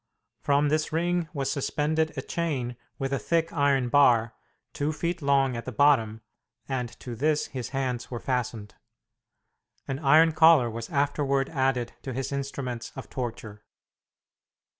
From this ring was suspended a chain with a thick iron bar, two feet long at the bottom, and to this his hands were fastened. An iron collar was afterward added to his instruments of torture.